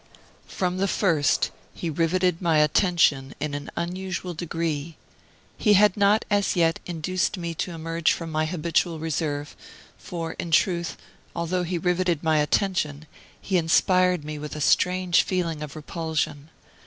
From the first he riveted my attention in an unusual degree. He had not, as yet, induced me to emerge from my habitual reserve, for in truth, although he riveted my attention, he inspired me with a strange feeling of repulsion.